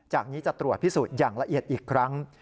จากนี้จะตรวจพิสูจน์อย่างละเอียดอีกครั้ง